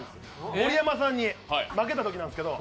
盛山さんに負けたときなんですけど。